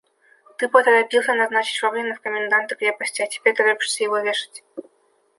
– Ты поторопился назначить Швабрина в коменданты крепости, а теперь торопишься его вешать.